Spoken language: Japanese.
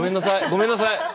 ごめんなさい。